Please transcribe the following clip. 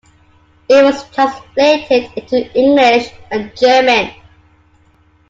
It was translated into English and German.